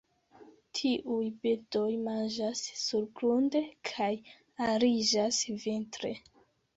Tiuj birdoj manĝas surgrunde, kaj ariĝas vintre.